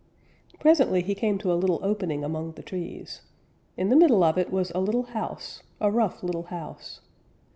Presently he came to a little opening among the trees. In the middle of it was a little house, a rough little house.